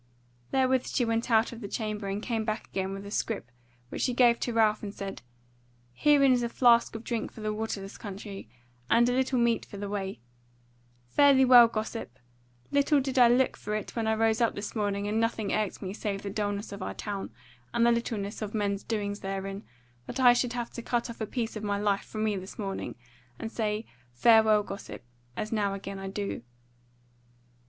Therewith she went out of the chamber and came back again with a scrip which she gave to Ralph and said: "Herein is a flask of drink for the waterless country, and a little meat for the way. Fare thee well, gossip! Little did I look for it when I rose up this morning and nothing irked me save the dulness of our town, and the littleness of men's doings therein, that I should have to cut off a piece of my life from me this morning, and say, farewell gossip, as now again I do."